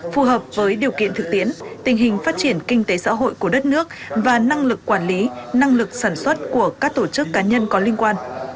phù hợp với điều kiện thực tiễn tình hình phát triển kinh tế xã hội của đất nước và năng lực quản lý năng lực sản xuất của các tổ chức cá nhân có liên quan